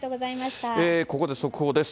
ここで速報です。